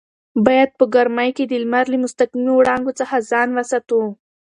باید په ګرمۍ کې د لمر له مستقیمو وړانګو څخه ځان وساتو.